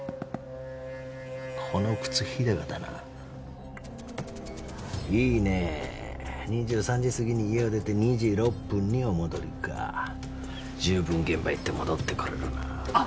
この靴日高だないいねえ２３時すぎに家を出て２時６分にお戻りか十分現場行って戻ってこれるなあっ